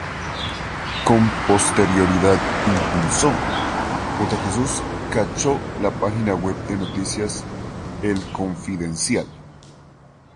Con posterioridad impulsó, junto a Jesús Cacho la página web de noticias "El Confidencial".